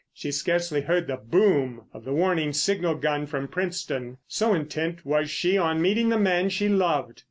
She scarcely heard the boom of the warning signal gun from Princetown, so intent was she on meeting the man she loved.